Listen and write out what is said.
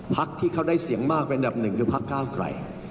พักที่เขาได้เสี่ยงมากในหนึ่งก็พักก้าวไกล